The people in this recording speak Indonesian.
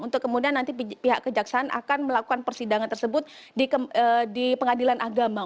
untuk kemudian nanti pihak kejaksaan akan melakukan persidangan tersebut di pengadilan agama